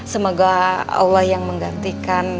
semoga allah yang menggantikan